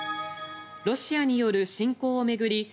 ロシアによる侵攻を巡り